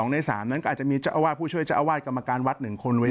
ใน๓นั้นก็อาจจะมีเจ้าอาวาสผู้ช่วยเจ้าอาวาสกรรมการวัด๑คนไว้